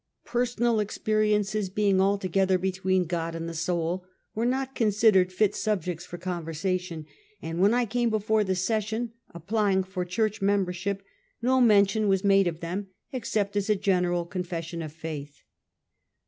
Personal ex periences being altogethej between God and the soul, were not considered lit subjects for conversation, and when I came before the session applying for church membership, no mention was made of them, except as a general confession of faith.